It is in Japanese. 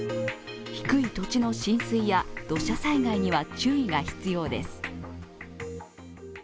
低い土地の浸水や土砂災害には注意が必要です。